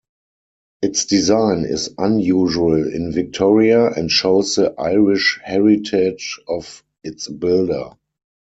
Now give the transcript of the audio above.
Its design is unusual in Victoria and shows the Irish heritage of its builder.